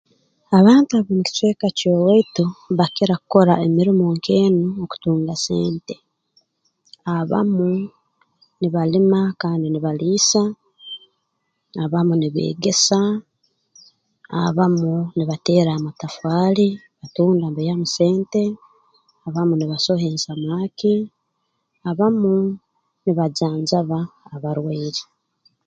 Abantu ab'omu kicweka ky'owaitu bakira kukora emirimo nk'enu okutunga sente abamu nibalima kandi nibaliisa abamu nibeegesa abamu nibateera amatafaali mbatunda mbaihamu sente abamu nibasoha ensamaaki abamu nibajanjaba abarwaire